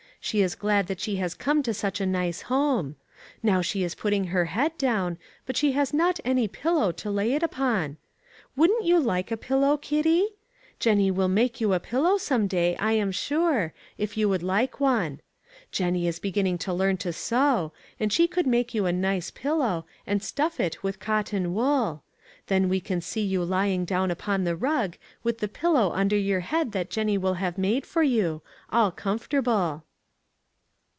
She is glad that she has come to such a nice home. Now she is putting her head down, but she has not any pillow to lay it upon. Wouldn't you like a pillow, kitty? Jennie will make you a pillow some day, I am sure, if you would like one. Jennie is beginning to learn to sew, and she could make you a nice pillow, and stuff it with cotton wool. Then we can see you lying down upon the rug, with the pillow under your head that Jennie will have made for you all comfortable."